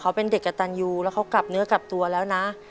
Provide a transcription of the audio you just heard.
เขาเป็นเด็กกระตันยูแล้วเขากลับเนื้อกลับตัวแล้วนะ